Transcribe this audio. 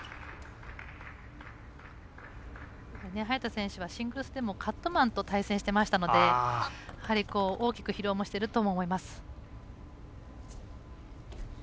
早田選手はシングルスでもカットマンと対戦していましたので大きく疲労もしていると思います。